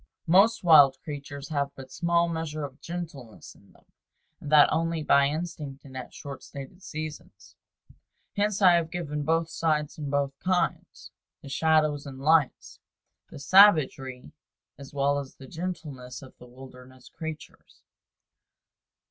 Most wild creatures have but small measure of gentleness in them, and that only by instinct and at short stated seasons. Hence I have given both sides and both kinds, the shadows and lights, the savagery as well as the gentleness of the wilderness creatures.